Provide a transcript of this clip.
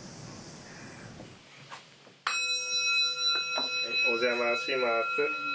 はいお邪魔します。